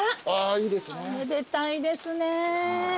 おめでたいですね。